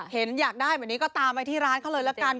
อยากได้เหมือนนี้ก็ตามไปที่ร้านเขาเลยละกัน